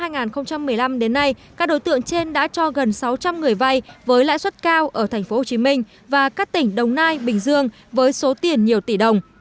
từ năm hai nghìn một mươi năm đến nay các đối tượng trên đã cho gần sáu trăm linh người vay với lãi suất cao ở tp hcm và các tỉnh đồng nai bình dương với số tiền nhiều tỷ đồng